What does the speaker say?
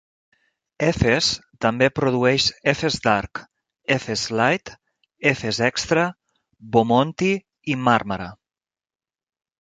Efes també produeix Efes Dark, Efes Light, Efes Extra, Bomonti i Marmara.